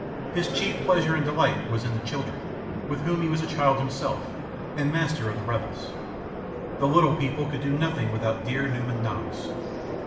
His chief pleasure and delight was in the children, with whom he was a child himself, and master of the revels. The little people could do nothing without dear Newman Noggs.